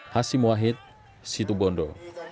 hasim wahid situbondo